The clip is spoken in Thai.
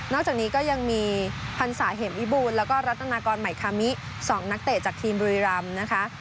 นอกจากนี้ก็ยังมีพรรษาเห็มอิบูนแล้วก็รัฐนากรใหม่คามิสองนักเตะจากทีมบริรามนะคะ